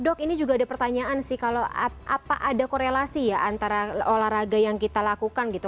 dok ini juga ada pertanyaan sih kalau apa ada korelasi ya antara olahraga yang kita lakukan gitu